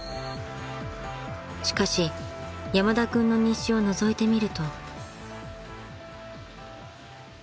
［しかし山田君の日誌をのぞいてみると］